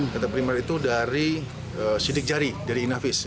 data primer itu dari sidik jari dari inavis